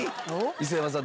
磯山さん。